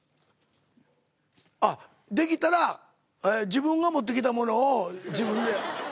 あっできたら自分が持ってきたものを自分で。